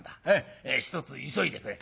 ひとつ急いでくれ」。